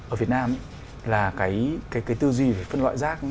ở việt nam là cái tư duy về phân loại rác